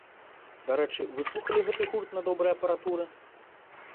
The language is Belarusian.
Дарэчы, вы слухалі гэты гурт на добрай апаратуры?